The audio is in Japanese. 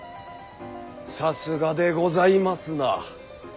さすがでございますな。